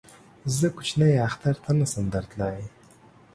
زه کوچني اختر ته نه شم در تللی